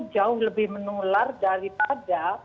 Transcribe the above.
jauh lebih menular daripada